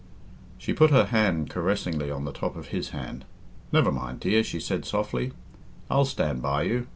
She put her hand caressingly on the top of his hand. "Never mind, dear," she said softly; "I'll stand by you.